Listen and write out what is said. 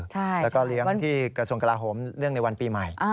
แล้วก็เลี้ยงที่กระทรวงกลาโหมเนื่องในวันปีใหม่